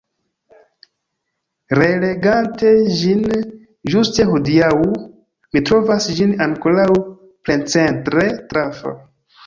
Relegante ĝin ĝuste hodiaŭ, mi trovas ĝin ankoraŭ plencentre trafa.